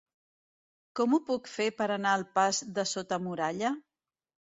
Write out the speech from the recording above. Com ho puc fer per anar al pas de Sota Muralla?